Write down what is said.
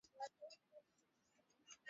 hivi kweli congo mnasikia mnaona